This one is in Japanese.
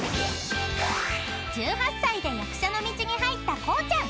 ［１８歳で役者の道に入ったこうちゃん］